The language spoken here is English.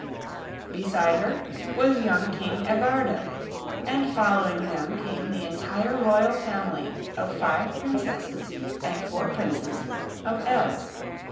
Beside her was young King Evardo, and following them came the entire royal family of five Princesses and four Princes of Ev.